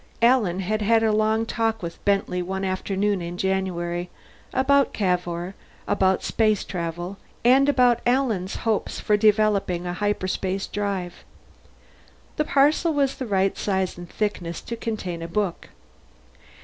Alan had had a long talk with Bentley one afternoon in January, about Cavour, about space travel, and about Alan's hopes for developing a hyperspace drive. The parcel was the right size and thickness to contain a book.